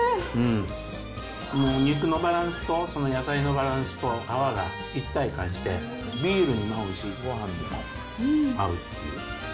肉のバランスと、その野菜のバランスと皮が一体感して、ビールにも合うし、ごはんにも合うっていう。